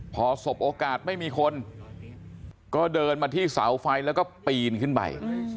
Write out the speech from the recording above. พอสบโอกาสไม่มีคนก็เดินมาที่เสาไฟแล้วก็ปีนขึ้นไป